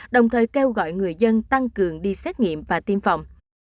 đồng thời kêu gọi người dân tăng cường đi xét nghiệm và tiêm phòng